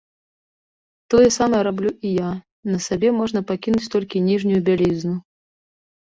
Тое самае раблю і я, на сабе можна пакінуць толькі ніжнюю бялізну.